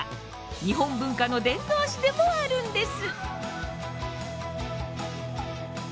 日本文化の伝道師でもあるんです！